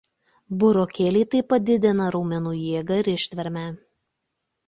Burokėliai taip pat didina raumenų jėgą ir ištvermę.